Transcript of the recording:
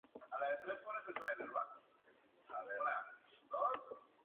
El tipo de crecimiento que se producía dependía de cada planta.